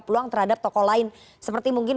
peluang terhadap tokoh lain seperti mungkin